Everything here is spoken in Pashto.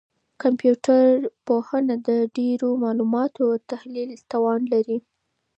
کمپيوټر پوهنه د ډېرو معلوماتو د تحلیل توان لري.